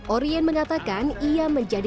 orien mengatakan ia menjadi